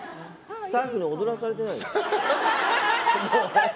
スタッフに踊らされてない？